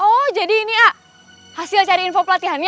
oh jadi ini hasil cari info pelatihannya